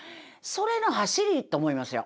それのはしりと思いますよ。